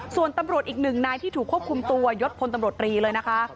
ส่วนตำรวจอีกหนึ่งนายที่ถูกควบคุมตัวยศพลตำรวจรีเลยนะคะ